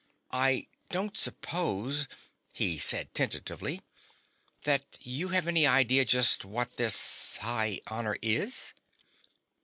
"I don't suppose," he said tentatively, "that you have any idea just what this high honor is?"